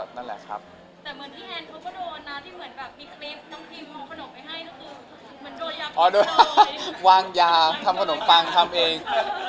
ทำไมต้องขอเยอะมากที่คลิปถามว่าไปต้องงิด